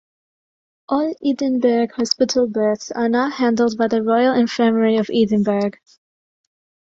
All Edinburgh hospital births are now handled by the Royal Infirmary of Edinburgh.